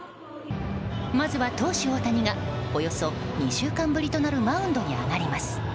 まずは投手・大谷がおよそ２週間ぶりとなるマウンドに上がります。